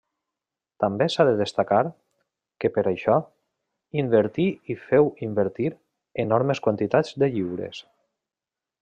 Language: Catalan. També s'ha de destacar, que per això, invertí i feu invertir, enormes quantitats de lliures.